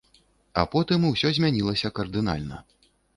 А потым усё змянілася кардынальна.